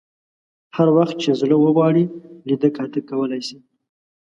هر وخت یې چې زړه وغواړي لیده کاته کولای شي.